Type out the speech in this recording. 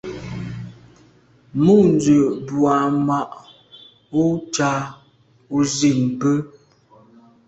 Mû’ndə̀ bù à’ mà’ ú cá ú zî bə́.